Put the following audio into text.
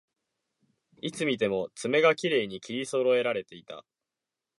いつ見ても爪がきれいに切りそろえられていた